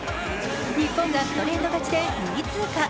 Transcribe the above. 日本がストレート勝ちで２位通過。